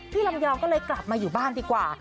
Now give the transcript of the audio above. ลำยองก็เลยกลับมาอยู่บ้านดีกว่า